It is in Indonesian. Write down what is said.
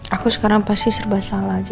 aku sekarang pasti serba salah aja